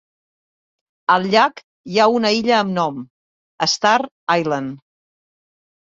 Al llac hi ha una illa amb nom: Star Island.